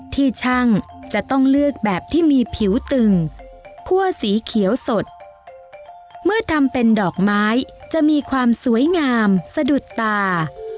ที่ช่างจะต้องเลือกแบบที่มีผิวตึงคั่วสีเขียวสดเมื่อทำเป็นดอกไม้จะมีความสวยงามสะดุดตา